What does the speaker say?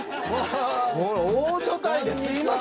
これ大所帯ですいません。